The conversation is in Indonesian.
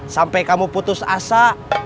sampai kamu putus asa